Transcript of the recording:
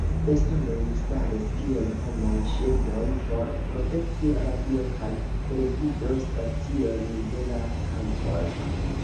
Estonoj staris kiel homaj ŝildoj por protekti radio- kaj televido-staciojn de la tankoj.